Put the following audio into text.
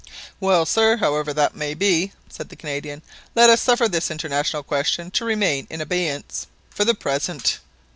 "Well, sir, however that may be," said the Canadian, "let us suffer this international question to remain in abeyance for the present.